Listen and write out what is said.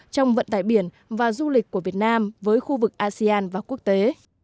trong vận tải biển và du lịch của việt nam với khu vực asean và quốc tế